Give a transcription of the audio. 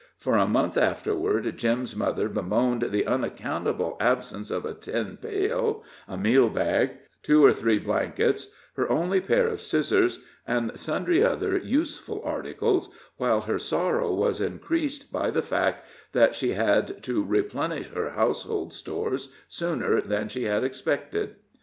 For a month afterward Jim's mother bemoaned the unaccountable absence of a tin pail, a meal bag, two or three blankets, her only pair of scissors, and sundry other useful articles, while her sorrow was increased by the fact that she had to replenish her household stores sooner than she had expected.